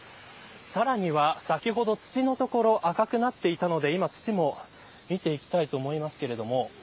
さらには、先ほど土の所赤くなっていたので土も見ていきたいと思います。